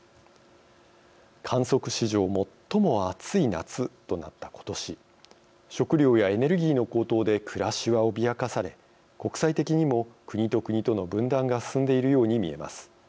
観測史上、最も暑い夏となった今年、食料やエネルギーの高騰で暮らしは脅かされ国際的にも、国と国との分断が進んでいるように見えます。